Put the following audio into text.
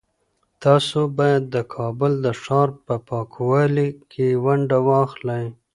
تاسو باید د کابل د ښار په پاکوالي کي ونډه واخلئ.